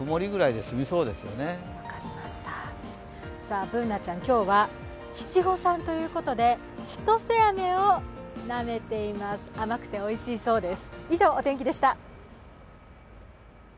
Ｂｏｏｎａちゃん、今日は七五三ということで千歳飴をなめています、甘くておいしいそうです。